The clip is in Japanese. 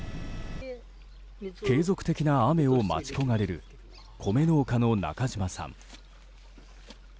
継続的な雨を待ち焦がれる米農家の中島さん。